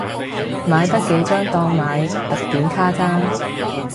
買得幾張當買特典卡咋